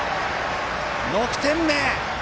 ６点目。